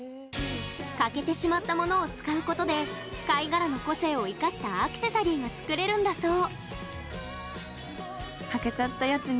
欠けてしまったものを使うことで貝殻の個性を生かしたアクセサリーが作れるんだそう。